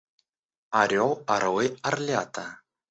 Орёл, орлы, орлята.